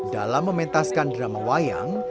dalam mementaskan drama wayang